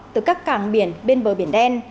từ các cảng biển bên bờ biển đen